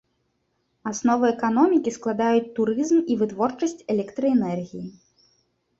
Аснову эканомікі складаюць турызм і вытворчасць электраэнергіі.